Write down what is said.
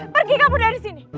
pergi kau dari sini